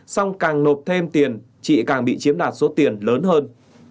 xong càng nộp thêm tiền chị càng bị chiếm đoạt số tiền lớn hơn